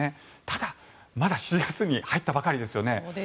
ただ、まだ７月に入ったばかりですよね。